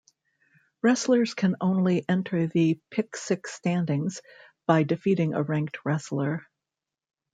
Wrestlers can only enter the Pick Six Standings by defeating a ranked wrestler.